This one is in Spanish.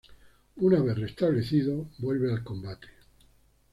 Una vez restablecido, vuelve al combate.